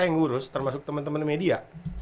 yang ngurus termasuk teman teman media